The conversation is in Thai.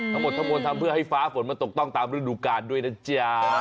ทั้งหมดทั้งมวลทำเพื่อให้ฟ้าฝนมาตกต้องตามฤดูกาลด้วยนะจ๊ะ